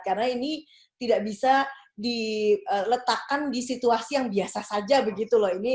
karena ini tidak bisa diletakkan di situasi yang biasa saja begitu loh